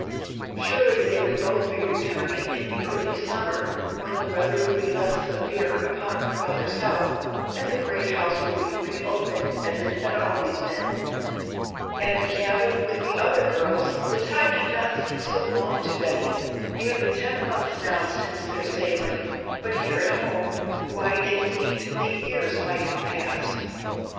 Surely they would both be returning in the early summer when the weather would be less severe upon her father's health and the great house would be reopened as it had always been. At the cabin with the other girls the time had not seemed so long to Betty, nearly ten months now since their sailing, but here at home why it seemed that years might have passed.